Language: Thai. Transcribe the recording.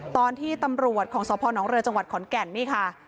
ตอนที่ตำรวจของสพนเรือจังหวัดขอนแก่นนี่ค่ะ